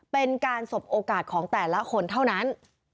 เป็นการสบโอกาสของแต่ละคนเท่านั้น